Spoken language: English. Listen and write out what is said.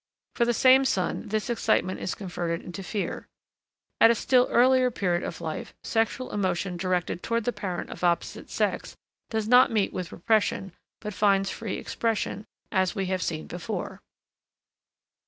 For the same son this excitement is converted into fear. At a still earlier period of life sexual emotion directed toward the parent of opposite sex does not meet with repression but finds free expression, as we have seen before.